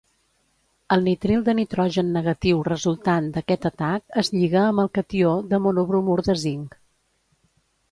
El nitril de nitrogen negatiu resultant d'aquest atac es lliga amb el catió de mono-bromur de zinc.